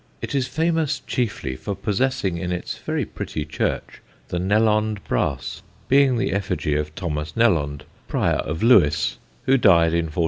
It is famous chiefly for possessing, in its very pretty church, the Nelond brass, being the effigy of Thomas Nelond, Prior of Lewes, who died in 1433.